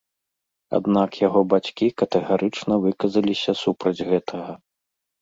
Аднак яго бацькі катэгарычна выказаліся супраць гэтага.